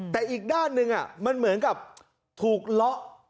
แต่อีกด้านหนึ่งมันเหมือนกับถูกเลาะ